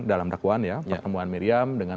dalam dakwaan ya pertemuan miriam dengan